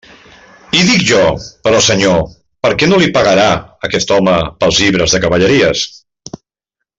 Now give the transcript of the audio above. I dic jo, però Senyor, per què no li pegarà a aquest home pels llibres de cavalleries?